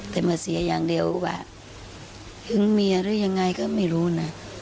แต่มาเสียอย่างเดียวว่าหึงเมียหรือยังไงก็ไม่รู้นะ